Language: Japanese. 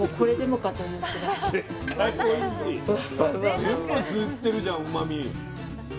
全部吸ってるじゃんうまみ。